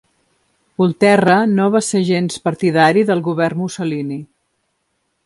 Volterra no va ser gens partidari del govern Mussolini.